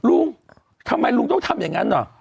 ลุงทำไมลุงต้องทำอย่างนั้นเหรอ